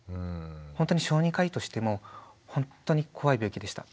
本当に小児科医としても本当に怖い病気でした。